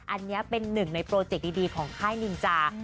อันนี้เป็นหนึ่งในโปรเจคดีของค่ายนินจา